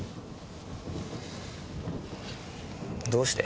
どうして？